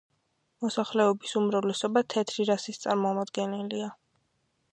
მოსახლეობის უმრავლესობა თეთრი რასის წარმომადგენელია.